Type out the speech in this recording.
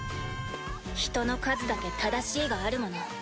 人の数だけ「正しい」があるもの。